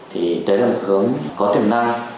thì đấy là một hướng có tiềm năng